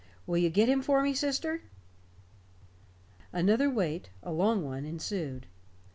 Will you get him for me, sister?" Another wait a long one ensued.